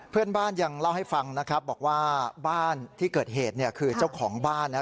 เพื่อนบ้านยังเล่าให้ฟังนะครับบอกว่าบ้านที่เกิดเหตุเนี่ยคือเจ้าของบ้านนะครับ